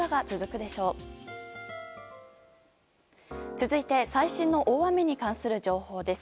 続いて最新の大雨に関する情報です。